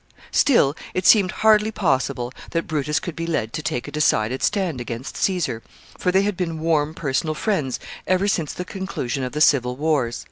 ] Still it seemed hardly probable that Brutus could be led to take a decided stand against Caesar, for they had been warm personal friends ever since the conclusion of the civil wars.